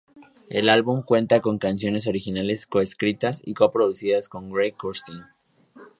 El álbum cuenta con canciones originales co-escritas y co-producidas con Greg Kurstin.